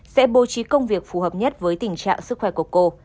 sẽ bố trí công việc phù hợp nhất với tình trạng sức khỏe của cô